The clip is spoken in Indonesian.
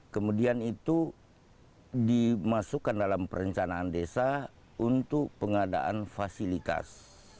kemudian itu dimasukkan dalam perencanaan desa untuk pengadaan fasilitas